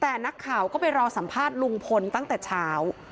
แต่นักข่าวก็ไปรอสัมภาษณ์ลุงพลตั้งแต่เช้า